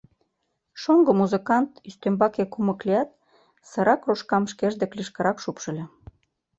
Шоҥго музыкант ӱстембаке кумык лият, сыра кружкам шкеж деке лишкырак шупшыльо.